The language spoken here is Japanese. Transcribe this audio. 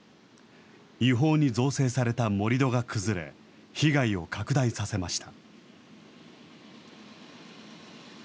違法に造成された盛り土が崩れ、被害を拡大させました。